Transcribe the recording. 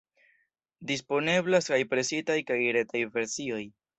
Disponeblas kaj presitaj kaj retaj versioj.